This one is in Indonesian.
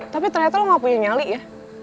tapi ternyata lo gak punya nyali ya